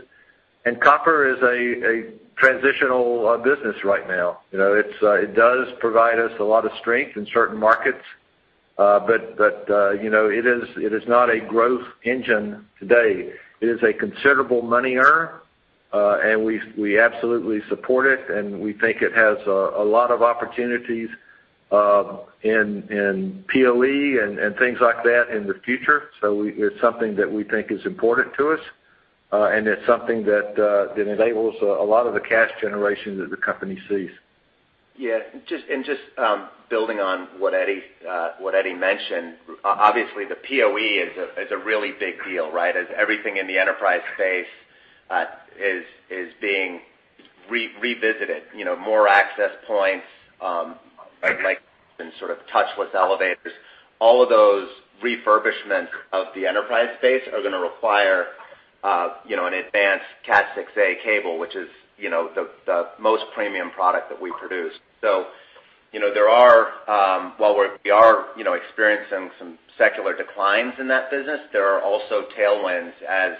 Copper is a transitional business right now. It does provide us a lot of strength in certain markets, but it is not a growth engine today. It is a considerable money earner, and we absolutely support it, and we think it has a lot of opportunities in PoE and things like that in the future. It's something that we think is important to us, and it's something that enables a lot of the cash generation that the company sees. Yeah. Just building on what Eddie mentioned, obviously, the PoE is a really big deal, right? As everything in the enterprise space is being revisited. More access points, like in sort of touchless elevators. All of those refurbishments of the enterprise space are going to require an advanced Cat6a cable, which is the most premium product that we produce. While we are experiencing some secular declines in that business, there are also tailwinds as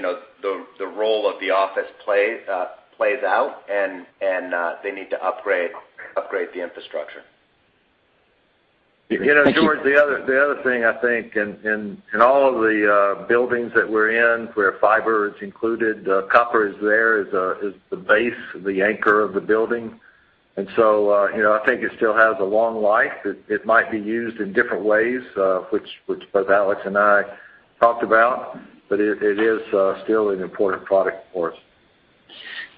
the role of the office plays out, and they need to upgrade the infrastructure. Thank you. George, the other thing I think in all of the buildings that we're in, where fiber is included, copper is there as the base, the anchor of the building. I think it still has a long life. It might be used in different ways, which both Alex and I talked about, but it is still an important product for us.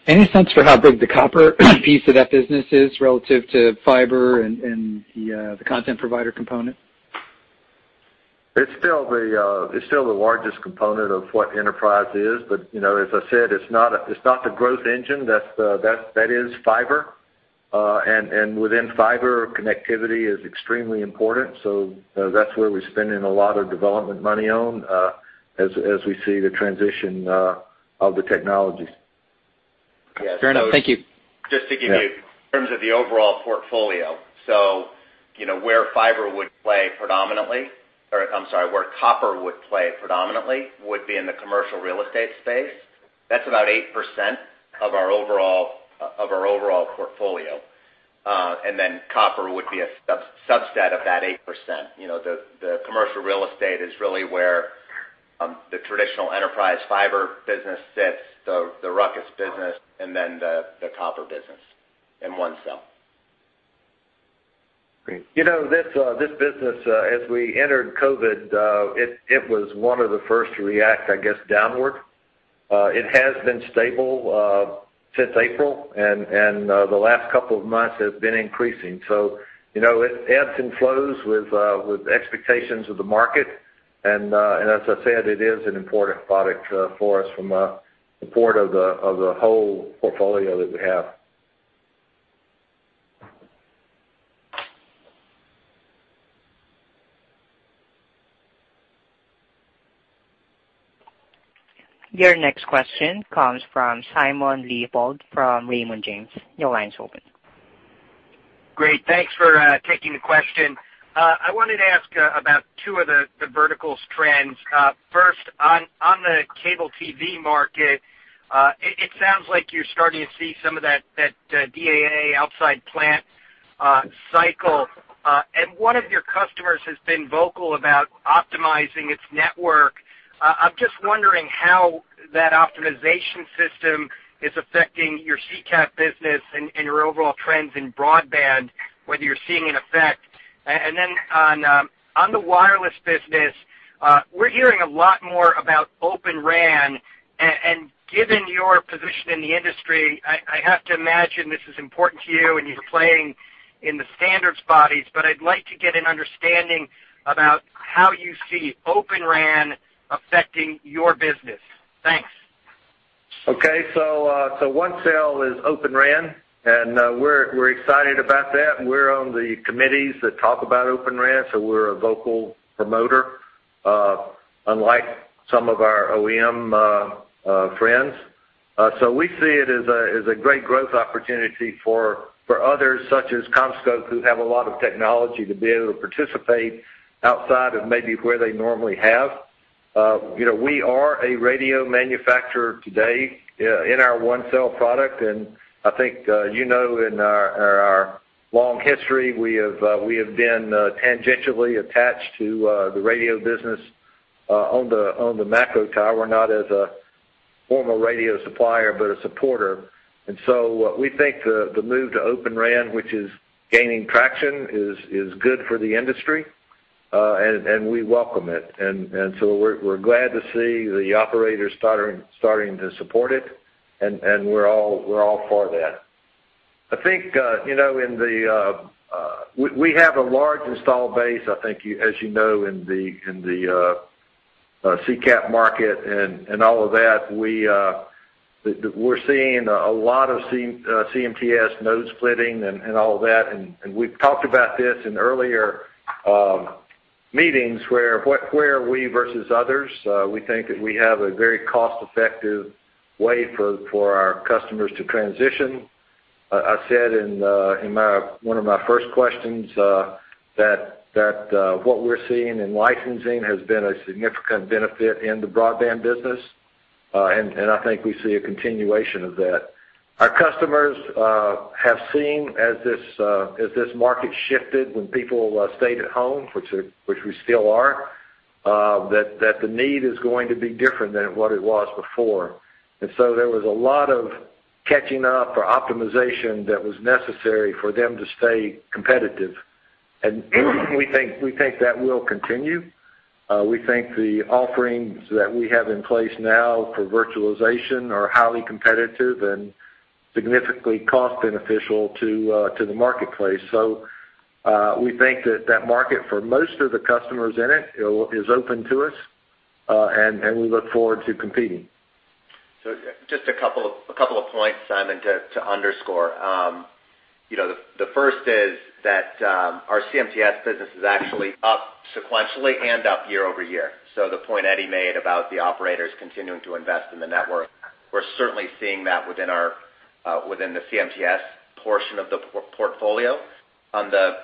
Any sense for how big the copper piece of that business is relative to fiber and the content provider component? It's still the largest component of what enterprise is, but as I said, it's not the growth engine. That is fiber. Within fiber, connectivity is extremely important, so that's where we're spending a lot of development money on as we see the transition of the technologies. Yeah. Fair enough. Thank you. Just to give you, in terms of the overall portfolio. I'm sorry, where copper would play predominantly would be in the commercial real estate space. That's about 8% of our overall portfolio. Copper would be a subset of that 8%. The commercial real estate is really where the traditional enterprise fiber business sits, the RUCKUS business, and then the copper business, and ONECELL. Great. This business, as we entered COVID, it was one of the first to react, I guess, downward. It has been stable since April, and the last couple of months have been increasing. It ebbs and flows with expectations of the market, and as I said, it is an important product for us from a support of the whole portfolio that we have. Your next question comes from Simon Leopold from Raymond James. Your line is open. Great. Thanks for taking the question. I wanted to ask about two of the verticals trends. First, on the cable TV market, it sounds like you're starting to see some of that DAA outside plant cycle. One of your customers has been vocal about optimizing its network. I'm just wondering how that optimization system is affecting your CCAP business and your overall trends in broadband, whether you're seeing an effect. On the wireless business, we're hearing a lot more about Open RAN. Given your position in the industry, I have to imagine this is important to you and you're playing in the standards bodies. I'd like to get an understanding about how you see Open RAN affecting your business. Thanks. Okay. ONECELL is Open RAN, and we're excited about that. We're on the committees that talk about Open RAN, so we're a vocal promoter, unlike some of our OEM friends. We see it as a great growth opportunity for others, such as CommScope, who have a lot of technology to be able to participate outside of maybe where they normally have. We are a radio manufacturer today in our ONECELL product, and I think you know in our long history, we have been tangentially attached to the radio business on the macro tower, not as a formal radio supplier, but a supporter. We think the move to Open RAN, which is gaining traction, is good for the industry, and we welcome it. We're glad to see the operators starting to support it, and we're all for that. I think we have a large install base, I think as you know, in the CCAP market and all of that. We're seeing a lot of CMTS node splitting and all that. We've talked about this in earlier meetings where are we versus others? We think that we have a very cost-effective way for our customers to transition. I said in one of my first questions that what we're seeing in licensing has been a significant benefit in the broadband business. I think we see a continuation of that. Our customers have seen as this market shifted when people stayed at home, which we still are, that the need is going to be different than what it was before. So there was a lot of catching up or optimization that was necessary for them to stay competitive. We think that will continue. We think the offerings that we have in place now for virtualization are highly competitive and significantly cost beneficial to the marketplace. We think that that market, for most of the customers in it, is open to us, and we look forward to competing. Just a couple of points, Simon, to underscore. The first is that our CMTS business is actually up sequentially and up year-over-year. The point Eddie made about the operators continuing to invest in the network, we're certainly seeing that within the CMTS portion of the portfolio. On the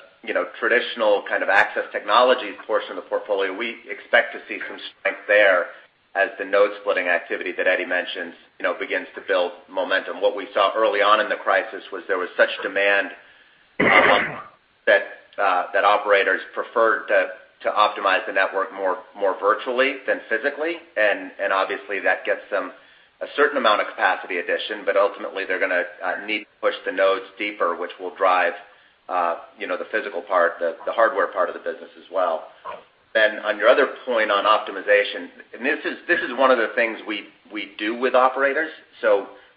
traditional kind of access technology portion of the portfolio, we expect to see some strength there as the node splitting activity that Eddie mentions begins to build momentum. What we saw early on in the crisis was there was such demand that operators preferred to optimize the network more virtually than physically. Obviously, that gets them a certain amount of capacity addition, but ultimately, they're going to need to push the nodes deeper, which will drive the physical part, the hardware part of the business as well. On your other point on optimization, this is one of the things we do with operators.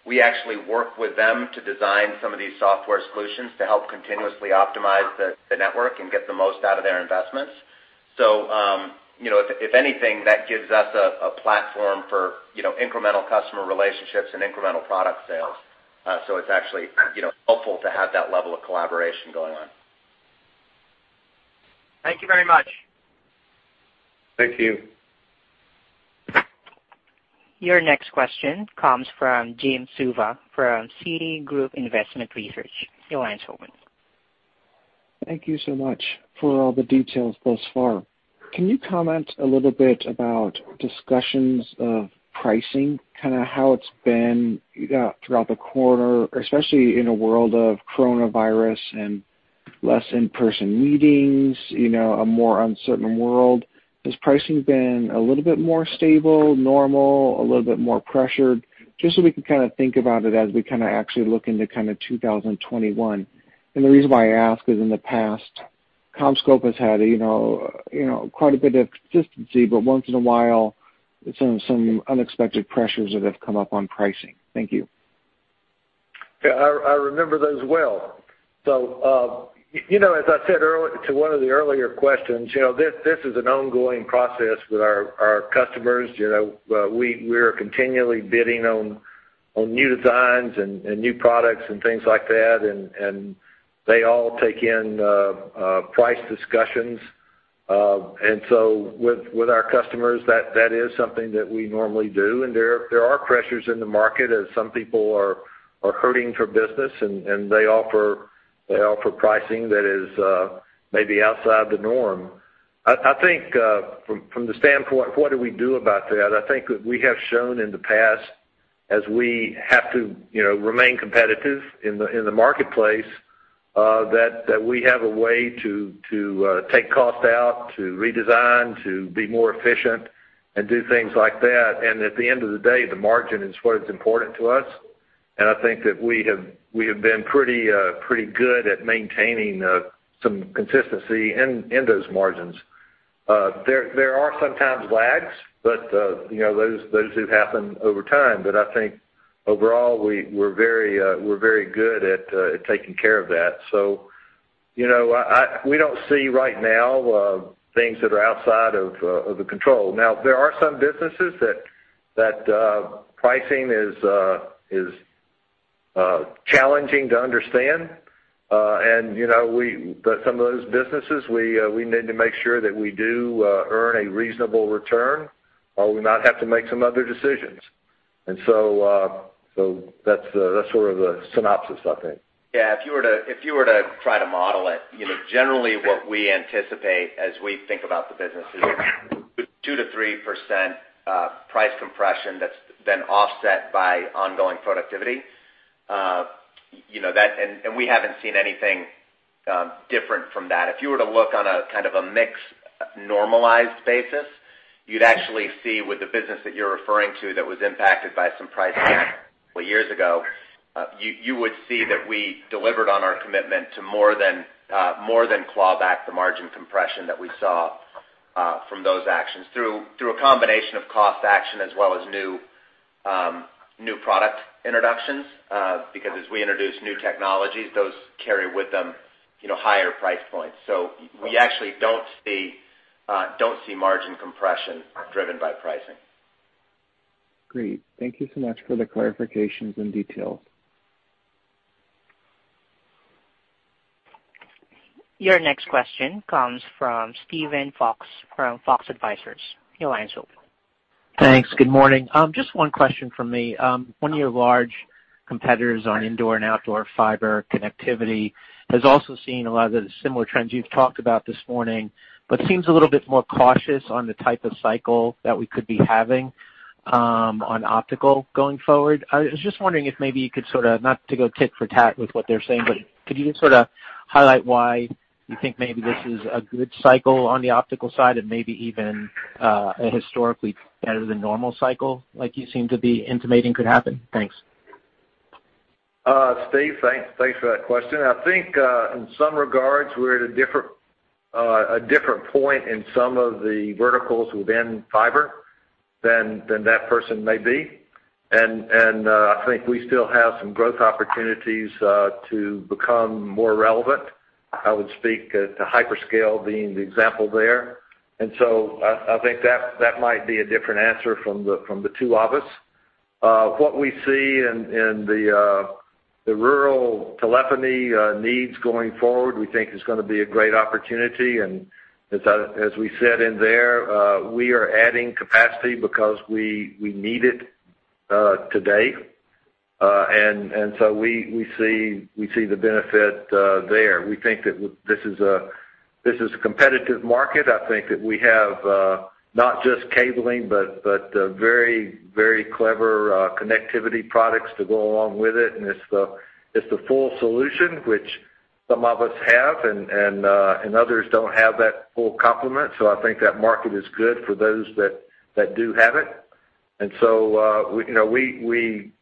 We actually work with them to design some of these software solutions to help continuously optimize the network and get the most out of their investments. If anything, that gives us a platform for incremental customer relationships and incremental product sales. It is actually helpful to have that level of collaboration going on. Thank you very much. Thank you. Your next question comes from Jim Suva, from Citigroup Investment Research. Your line's open. Thank you so much for all the details thus far. Can you comment a little bit about discussions of pricing, kind of how it's been throughout the quarter, especially in a world of coronavirus and less in-person meetings, a more uncertain world? Has pricing been a little bit more stable, normal, a little bit more pressured? We can kind of think about it as we actually look into 2021. The reason why I ask is in the past, CommScope has had quite a bit of consistency, but once in a while, some unexpected pressures that have come up on pricing. Thank you. Yeah, I remember those well. As I said to one of the earlier questions, this is an ongoing process with our customers. We're continually bidding on new designs and new products and things like that, and they all take in price discussions. With our customers, that is something that we normally do. There are pressures in the market as some people are hurting for business, and they offer pricing that is maybe outside the norm. I think from the standpoint of what do we do about that, I think that we have shown in the past, as we have to remain competitive in the marketplace, that we have a way to take cost out, to redesign, to be more efficient and do things like that. At the end of the day, the margin is what is important to us. I think that we have been pretty good at maintaining some consistency in those margins. There are sometimes lags, but those have happened over time. I think overall, we're very good at taking care of that. We don't see right now, things that are outside of the control. Now, there are some businesses that pricing is challenging to understand. Some of those businesses, we need to make sure that we do earn a reasonable return, or we might have to make some other decisions. That's sort of the synopsis, I think. Yeah. If you were to try to model it, generally what we anticipate as we think about the business is around 2%-3% price compression that's then offset by ongoing productivity. We haven't seen anything different from that. If you were to look on a kind of a mix normalized basis, you'd actually see with the business that you're referring to that was impacted by some price couple years ago, you would see that we delivered on our commitment to more than claw back the margin compression that we saw from those actions through a combination of cost action as well as new product introductions, because as we introduce new technologies, those carry with them higher price points. We actually don't see margin compression driven by pricing. Great. Thank you so much for the clarifications and details. Your next question comes from Steven Fox from Fox Advisors. Your line is open. Thanks. Good morning. Just one question from me. One of your large competitors on indoor and outdoor fiber connectivity has also seen a lot of the similar trends you've talked about this morning, but seems a little bit more cautious on the type of cycle that we could be having on optical going forward. I was just wondering if maybe you could sort of, not to go tit for tat with what they're saying, but could you just sort of highlight why you think maybe this is a good cycle on the optical side and maybe even a historically better than normal cycle like you seem to be intimating could happen? Thanks. Steve, thanks for that question. I think, in some regards, we're at a different point in some of the verticals within fiber than that person may be. I think we still have some growth opportunities to become more relevant. I would speak to hyperscale being the example there. I think that might be a different answer from the two of us. What we see in the rural telephony needs going forward, we think is going to be a great opportunity, and as we said in there, we are adding capacity because we need it today. We see the benefit there. We think that this is a competitive market. I think that we have not just cabling, but very clever connectivity products to go along with it, and it's the full solution which some of us have and others don't have that full complement. I think that market is good for those that do have it.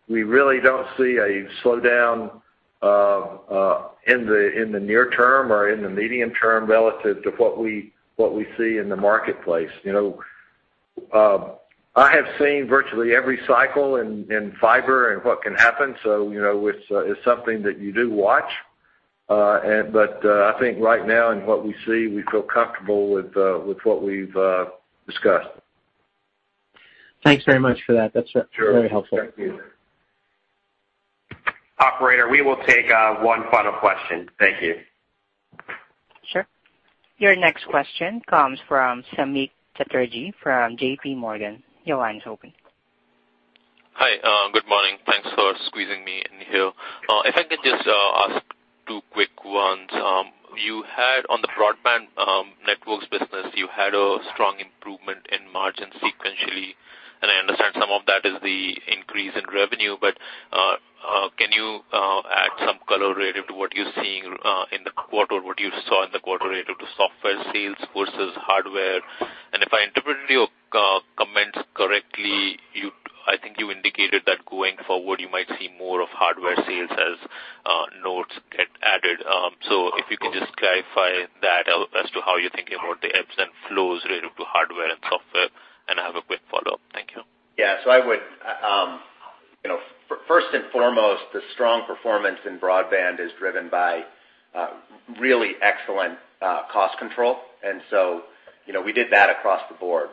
We really don't see a slowdown in the near term or in the medium term relative to what we see in the marketplace. I have seen virtually every cycle in fiber and what can happen, so it's something that you do watch. I think right now in what we see, we feel comfortable with what we've discussed. Thanks very much for that. That's very helpful. Sure. Thank you. Operator, we will take one final question. Thank you. Sure. Your next question comes from Samik Chatterjee from JPMorgan. Your line is open. Hi. Good morning. Thanks for squeezing me in here. If I could just ask two quick ones. On the Broadband Networks business, you had a strong improvement in margin sequentially. I understand some of that is the increase in revenue, but can you add some color relative to what you're seeing in the quarter, what you saw in the quarter relative to software sales versus hardware? If I interpreted your comments correctly, I think you indicated that going forward, you might see more of hardware sales as nodes get added. If you could just clarify that as to how you're thinking about the ebbs and flows relative to hardware and software. I have a quick follow-up. Thank you. First and foremost, the strong performance in Broadband Networks is driven by really excellent cost control. We did that across the board.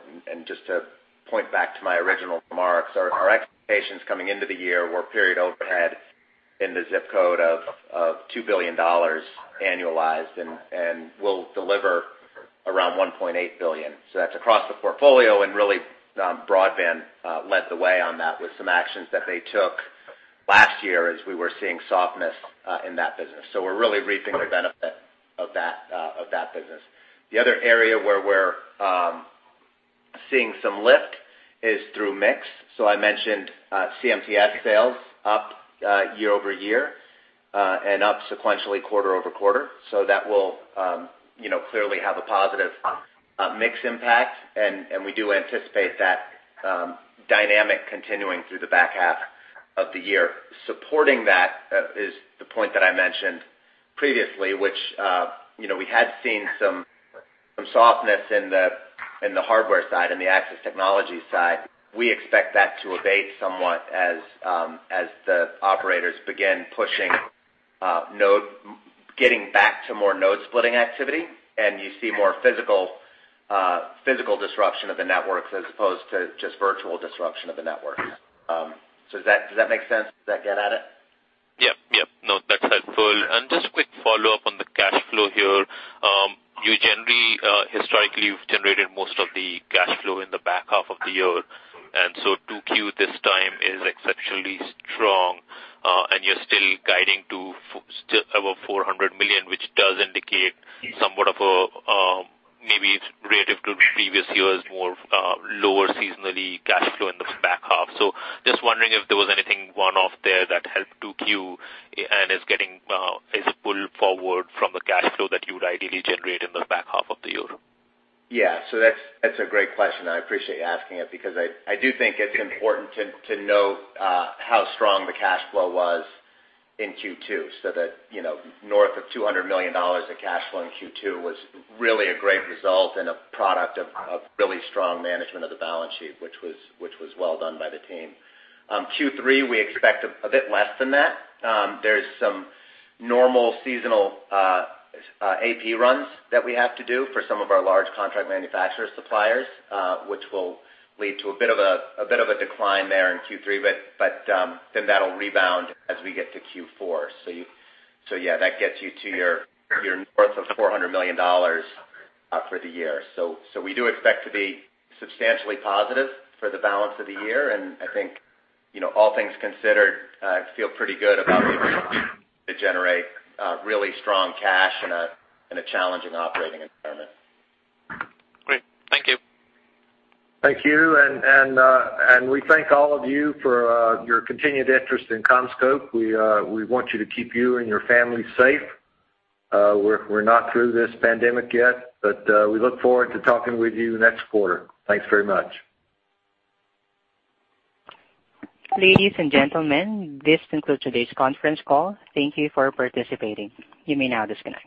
Just to point back to my original remarks, our expectations coming into the year were period overhead in the zip code of $2 billion annualized and will deliver around $1.8 billion. That's across the portfolio and really, Broadband Networks led the way on that with some actions that they took last year as we were seeing softness in that business. We're really reaping the benefit of that business. The other area where we're seeing some lift is through mix. I mentioned CMTS sales up year-over-year, and up sequentially quarter-over-quarter. That will clearly have a positive mix impact, and we do anticipate that dynamic continuing through the back 1/2 of the year. Supporting that is the point that I mentioned previously, which we had seen some softness in the hardware side, in the access technology side. We expect that to abate somewhat as the operators begin getting back to more node splitting activity, and you see more physical disruption of the networks as opposed to just virtual disruption of the network. Does that make sense? Does that get at it? Yep. No, that's helpful. Just a quick follow-up on the cash flow here. You generally, historically, you've generated most of the cash flow in the back 1/2 of the year. 2Q this time is exceptionally strong. You're still guiding to above $400 million, which does indicate somewhat of a, maybe relative to previous years, more lower seasonally cash flow in the back 1/2. Just wondering if there was anything one-off there that helped 2Q and is pulled forward from the cash flow that you would ideally generate in the back 1/2 of the year. That's a great question, and I appreciate you asking it because I do think it's important to note how strong the cash flow was in Q2. That north of $200 million of cash flow in Q2 was really a great result and a product of really strong management of the balance sheet, which was well done by the team. Q3, we expect a bit less than that. There's some normal seasonal AP runs that we have to do for some of our large contract manufacturer suppliers, which will lead to a bit of a decline there in Q3. That'll rebound as we get to Q4. That gets you to your north of $400 million for the year. We do expect to be substantially positive for the balance of the year, and I think all things considered, I feel pretty good about the ability to generate really strong cash in a challenging operating environment. Great. Thank you. Thank you. We thank all of you for your continued interest in CommScope. We want you to keep you and your family safe. We're not through this pandemic yet, but we look forward to talking with you next quarter. Thanks very much. Ladies and gentlemen, this concludes today's conference call. Thank you for participating. You may now disconnect.